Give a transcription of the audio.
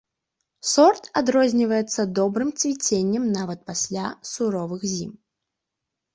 Сорт адрозніваецца добрым цвіценнем нават пасля суровых зім.